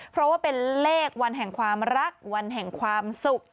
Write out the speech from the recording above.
เพราะว่าเป็นเลขวันแห่งความรักวันแห่งความสุข